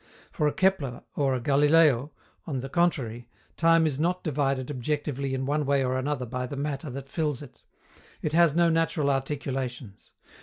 For a Kepler or a Galileo, on the contrary, time is not divided objectively in one way or another by the matter that fills it. It has no natural articulations.